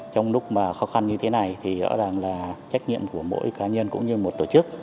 trong lúc mà khó khăn như thế này thì rõ ràng là trách nhiệm của mỗi cá nhân cũng như một tổ chức